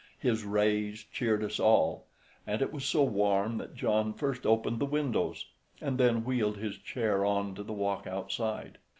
His rays cheered us all, and it was so warm that John first opened the windows, and then wheeled his chair on to the walk outside.